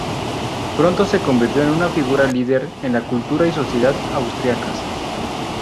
Pronto se convirtió en una figura líder en la cultura y sociedad austriacas.